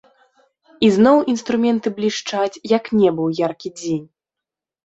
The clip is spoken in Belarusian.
І зноў інструменты блішчаць, як неба ў яркі дзень.